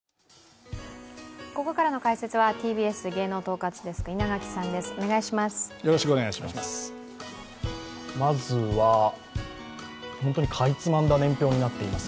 ここからの解説はＴＢＳ芸能統括デスク稲垣さんです、お願いします。